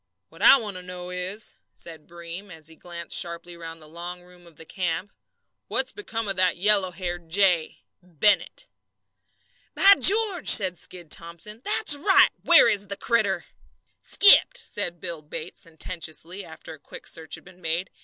"What I want to know is," said Breem, as he glanced sharply round the long room of the camp, "what's become of that yellow haired jay Bennett?" "By George!" said Skid Thomson, "that's right! Where is the critter?" "Skipped!" said Bill Bates, sententiously, after a quick search had been made.